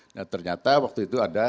nah ternyata waktu itu ada